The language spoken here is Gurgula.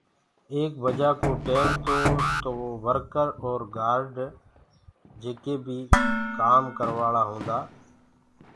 ايڪ بجآ ڪو ٽيم تو تو ورڪر اور گآرڊ جيڪي بي ڪآم ڪروآݪآ هوندآ،